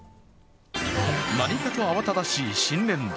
何かと慌ただしい新年度。